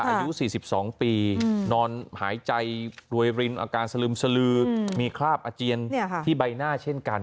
อายุ๔๒ปีนอนหายใจรวยรินอาการสลึมสลือมีคราบอาเจียนที่ใบหน้าเช่นกัน